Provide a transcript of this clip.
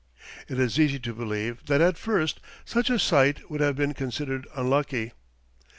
It is easy to believe that at first such a site would have been considered unlucky.